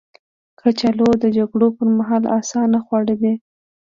کچالو د جګړو پر مهال اسانه خواړه دي